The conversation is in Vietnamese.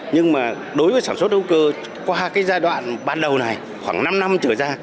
nhưng mà đối với sản xuất hữu cơ qua cái giai đoạn ban đầu này khoảng năm năm trở ra